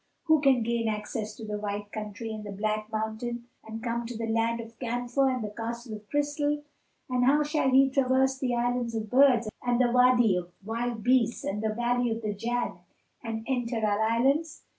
Who can gain access to the White Country and the Black Mountain and come to the Land of Camphor and the Castle of Crystal, and how shall he traverse the Island of Birds and the Wady of Wild Beasts and the Valley of the Jann and enter our Islands?